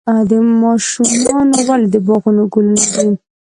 ماشومان ولې د باغ ګلونه دي؟